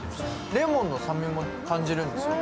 レモンの酸味も感じるんですよ。